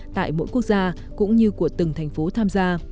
tại mỗi quốc gia cũng như của từng thành phố tham gia